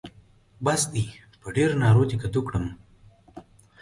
بس دی؛ په ډېرو نارو دې کدو کړم.